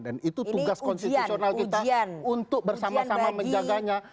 dan itu tugas konstitusional kita untuk bersama sama menjaganya